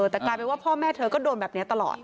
แต่กลายเป็นว่าพ่อแม่เธอก็โดนแบบนี้ตลอด